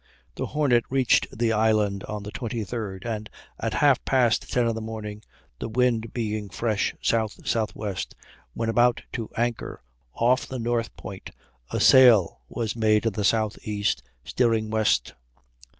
The Hornet reached the island on the 23d, and at half past ten in the morning, the wind being fresh S.S.W., when about to anchor off the north point, a sail was made in the southeast, steering west.